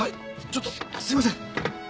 ちょっとすいません。